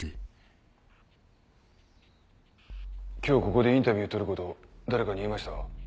今日ここでインタビュー撮ること誰かに言いました？